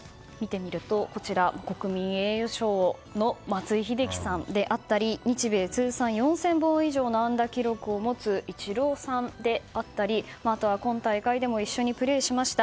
国民栄誉賞の松井秀喜さんであったり日米通算４０００本以上の安打記録を持つイチローさんであったりあとは今大会でも一緒にプレーしました